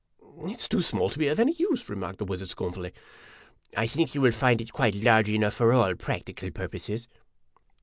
" It 's too small to be of any use," remarked the wiz ard, scornfully. "I think you will find it quite large enough for all prac tical purposes."